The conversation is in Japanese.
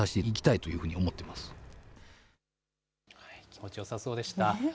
気持ちよさそうでした。